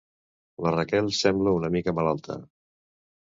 La Raquel sembla una mica malalta.